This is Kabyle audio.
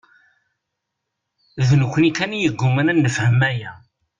D nekkni kan i yeǧǧuman ad nefhem aya.